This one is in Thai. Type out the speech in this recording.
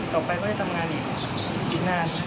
ต่อไปก็จะทำงานอีกนาน